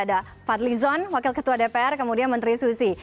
ada fadlizon wakil ketua dpr kemudian menteri susi